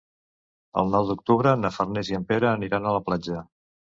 El nou d'octubre na Farners i en Pere aniran a la platja.